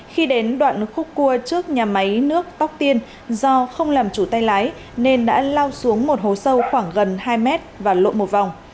khi đến đoạn khúc cua trước nhà máy nước tóc tiên do không làm chủ tay lái nên đã lao xuống một hố sâu khoảng gần hai mét và lộ một vòng